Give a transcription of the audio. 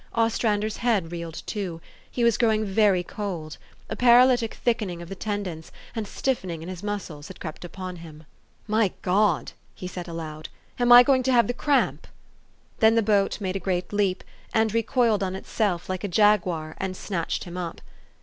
Ostrander's head reeled too. He was grow ing very cold. A paralytic thickening of the ten dons, and stiffening in his muscles, had crept upon him. " My God !" he said aloud, " am I going to have the cramp? " Then the boat made a great leap, and recoiled on itself, like a jaguar, and snatched him up.